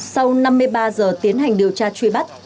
sau năm mươi ba giờ tiến hành điều tra truy bắt